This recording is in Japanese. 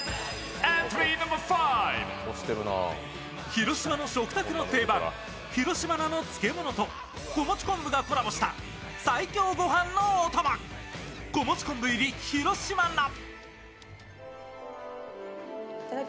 広島の食卓の定番、広島菜の漬物と子持ち昆布がコラボした最強御飯のお供、こもち昆布入り広島菜。